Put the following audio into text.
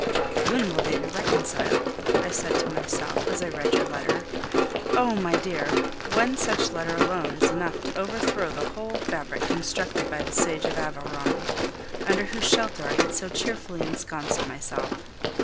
"When will they be reconciled?" I said to myself, as I read your letter. Oh! my dear, one such letter alone is enough to overthrow the whole fabric constructed by the sage of Aveyron, under whose shelter I had so cheerfully ensconced myself!